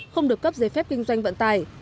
không được cấp giấy phép kinh doanh vận tải